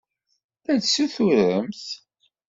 La d-tessurrutemt?